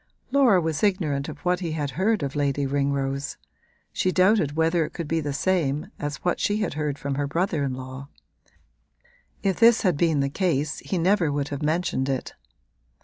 Laura was ignorant of what he had heard of Lady Ringrose; she doubted whether it could be the same as what she had heard from her brother in law: if this had been the case he never would have mentioned it.